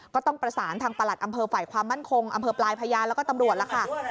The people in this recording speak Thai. ก็ต้องประสานทางประหลัดอำเภอฝ่ายความมั่นคงอำเภอปลายพญาแล้วก็ตำรวจล่ะค่ะ